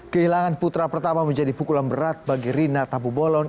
kehilangan putra pertama menjadi pukulan berat bagi rina tampu bolon